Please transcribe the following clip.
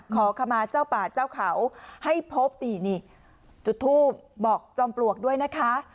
ขอขมาเจ้าป่าเจ้าเขาให้พบนี่นี่จุดทูบบอกจอมปลวกด้วยนะคะ